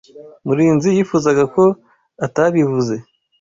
Murinzi yifuzaga ko atabivuze.